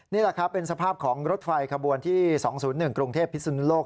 นี่แหละครับเป็นสภาพของรถไฟขบวนที่๒๐๑กรุงเทพพิศนุโลก